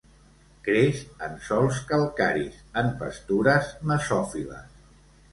Creix en sòls calcaris, en pastures mesòfiles.